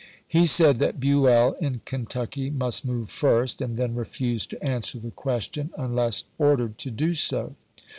He said that Buell, in Kentucky, must move first ; and then refused to answer the question unless ordered to do so.